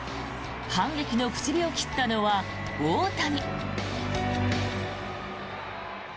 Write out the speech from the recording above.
反撃の口火を切ったのは大谷。